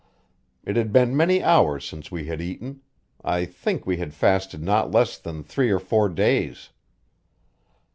It had been many hours since we had eaten; I think we had fasted not less than three or four days.